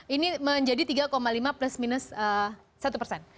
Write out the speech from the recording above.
ini menjadi tiga lima plus minus satu persen